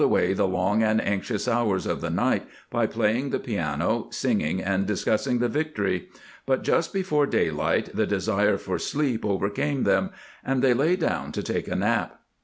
away the long and anxious hours of the night by playing the piano, singing, and discuss ing the victory ; but just before daylight the desire for sleep overcame them, and they lay down to take a nap.